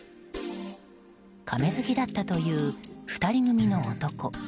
カメ好きだったという２人組の男。